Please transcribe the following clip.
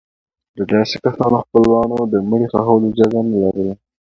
د داسې کسانو خپلوانو د مړي د ښخولو اجازه نه لرله.